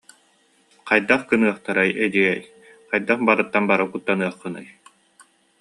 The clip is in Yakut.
Хайдах гыныахтарай, эдьиэй, хайдах барыттан бары куттаннаххыный